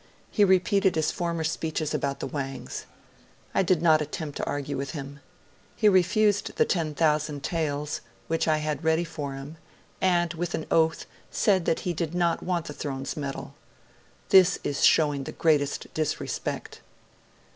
He repeated his former speeches about the Wangs. I did not attempt to argue with him ... He refused the 10,000 taels, which I had ready for him, and, with an oath, said that he did not want the Throne's medal. This is showing the greatest disrespect.'